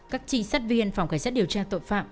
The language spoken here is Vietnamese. các trinh sát viên phòng cảnh sát điều tra tội phạm